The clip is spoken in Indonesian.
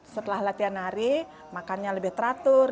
setelah latihan hari makannya lebih teratur